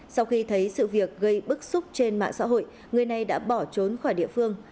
sau khi thấy sự việc gây bức xúc trên mạng xã hội người này đã bỏ trốn khỏi địa phương